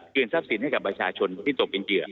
ทรัพย์สินให้กับประชาชนที่ตกเป็นเหยื่อ